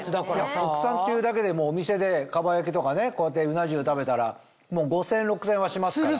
国産っていうだけでお店で蒲焼とかこうやってうな重食べたら５０００円６０００円はしますから。